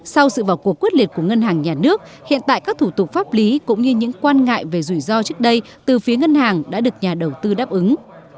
sau sự vào cuộc quyết liệt của ngân hàng nhà nước hiện tại các thủ tục pháp lý cũng như những quan ngại về rủi ro trước đây từ phía ngân hàng đã được nhà đầu tư đáp ứng